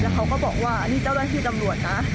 เขาก็บอกว่านี่เจ้าหน้าที่ตำรวจนะ